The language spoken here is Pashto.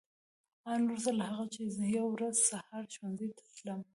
آن وروسته له هغه چې یوه ورځ سهار ښوونځي ته تلم.